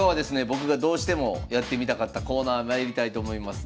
僕がどうしてもやってみたかったコーナーまいりたいと思います。